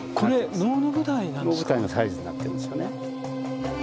能舞台のサイズになってるんですよね。